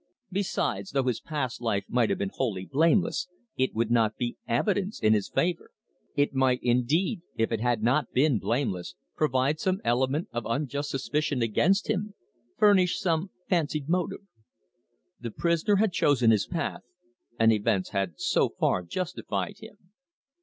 Besides, though his past life might have been wholly blameless, it would not be evidence in his favour. It might, indeed, if it had not been blameless, provide some element of unjust suspicion against him, furnish some fancied motive. The prisoner had chosen his path, and events had so far justified him.